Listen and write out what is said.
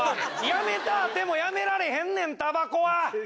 やめたぁてもやめられへんねんタバコは。